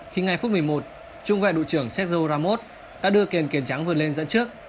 khi ngay phút một mươi một trung vệ đội trưởng sergio ramos đã đưa kèn kèn trắng vượt lên dẫn trước